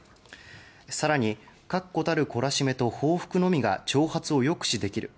更に、確固たる懲らしめと報復のみが挑発を抑止できる。